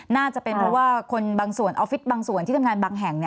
น่าจะเป็นเพราะว่าคนบางส่วนออฟฟิศบางส่วนที่ทำงานบางแห่ง